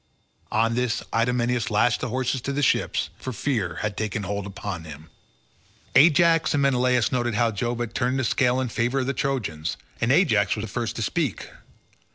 On this Idomeneus lashed the horses to the ships, for fear had taken hold upon him. Ajax and Menelaus noted how Jove had turned the scale in favour of the Trojans, and Ajax was first to speak.